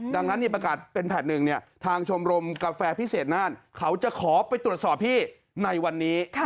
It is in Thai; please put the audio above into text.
ดังนั้นประกาศเป็นแผ่นหนึ่งเนี่ยทางชมรมกาแฟพิเศษน่านเขาจะขอไปตรวจสอบพี่ในวันนี้